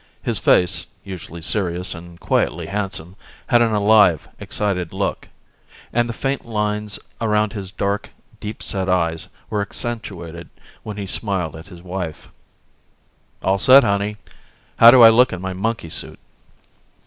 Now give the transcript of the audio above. His face, usually serious and quietly handsome, had an alive, excited look. And the faint lines around his dark, deep set eyes were accentuated when he smiled at his wife. "All set, honey. How do I look in my monkey suit?"